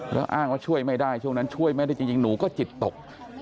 แล้วอ้างว่าช่วยไม่ได้ช่วงนั้นช่วยแม่ได้จริงหนูก็จิตตก